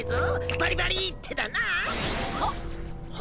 バリバリーってだなあは？